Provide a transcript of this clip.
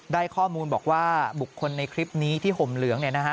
ได้ข้อมูลบอกว่าบุคคลในคลิปนี้ที่ห่มเหลือง